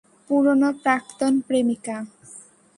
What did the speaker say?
পুরনো প্রাক্তন প্রেমিকা।